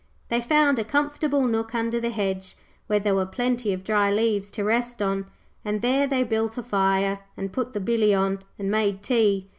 They found a comfortable nook under the hedge, where there were plenty of dry leaves to rest on, and there they built a fire, and put the billy on, and made tea.